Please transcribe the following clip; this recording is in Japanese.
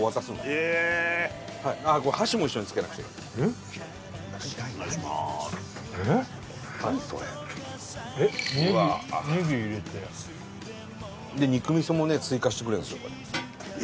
ねぎねぎ入れてで肉味噌もね追加してくれるんですよえ